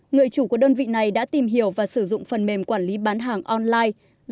người chủ của đơn vị này đã tìm hiểu và sử dụng phần mềm quản lý bán hàng online